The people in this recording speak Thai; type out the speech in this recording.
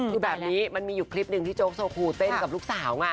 คือแบบนี้มันมีอยู่คลิปหนึ่งที่โจ๊กโซคูเต้นกับลูกสาวไง